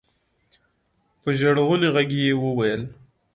په ژړغوني غږ يې وويل.